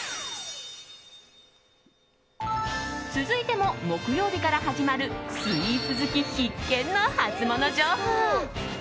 続いても木曜日から始まるスイーツ好き必見のハツモノ情報。